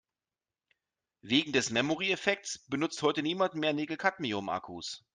Wegen des Memory-Effekts benutzt heute niemand mehr Nickel-Cadmium-Akkus.